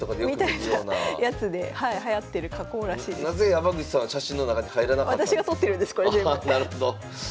なぜ山口さんは写真の中に入らなかったんですか？